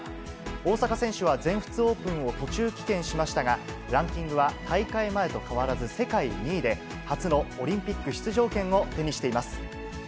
大坂選手は全仏オープンを途中棄権しましたが、ランキングは大会前と変わらず世界２位で、初のオリンピック出場権を手にしています。